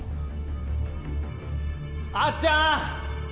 あっちゃん！